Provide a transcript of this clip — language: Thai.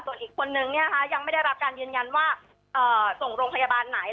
ส่วนอีกคนนึงยังไม่ได้รับการยืนยันว่าส่งโรงพยาบาลไหน